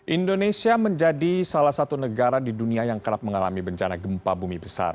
indonesia menjadi salah satu negara di dunia yang kerap mengalami bencana gempa bumi besar